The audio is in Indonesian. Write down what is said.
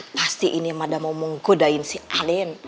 pasti ini yang mau menggoda si alin